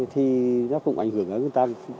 thì nó cũng ảnh hưởng đến người ta